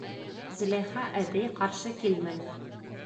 Зөләйха әбей ҡаршы килмәне.